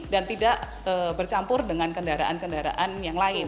dan tidak bercampur dengan kendaraan kendaraan yang lain